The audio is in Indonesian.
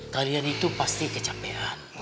kalian itu pasti kecapean